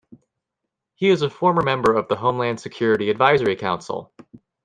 He is a former member of the Homeland Security Advisory Council.